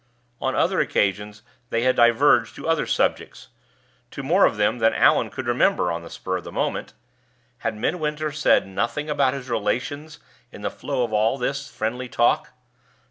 On other occasions they had diverged to other subjects to more of them than Allan could remember, on the spur of the moment. Had Midwinter said nothing about his relations in the flow of all this friendly talk?